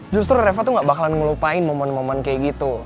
justru reva tuh gak bakalan ngelupain momen momen kayak gitu